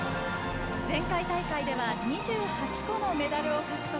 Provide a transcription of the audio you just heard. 前回大会では２８個のメダルを獲得。